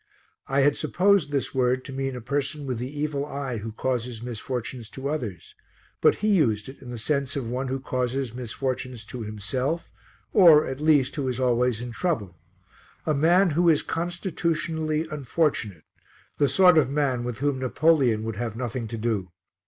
I had supposed this word to mean a person with the evil eye who causes misfortunes to others, but he used it in the sense of one who causes misfortunes to himself or, at least, who is always in trouble a man who is constitutionally unfortunate, the sort of man with whom Napoleon would have nothing to do.